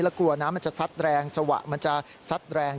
แล้วกลัวน้ำมันจะซัดแรงสวะมันจะซัดแรง